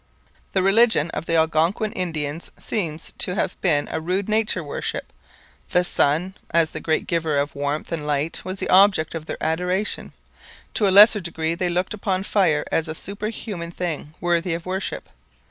The religion of the Algonquin Indians seems to have been a rude nature worship. The Sun, as the great giver of warmth and light, was the object of their adoration; to a lesser degree, they looked upon fire as a superhuman thing, worthy of worship.